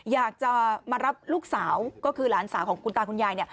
อยากจะมารับลูกสาวก็คือหลานสาวของคุณตาคุณยายเนี่ย